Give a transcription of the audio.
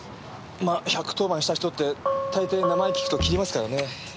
まっ１１０番した人って大抵名前訊くと切りますからね。